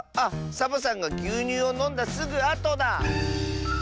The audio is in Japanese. サボさんがぎゅうにゅうをのんだすぐあとだ。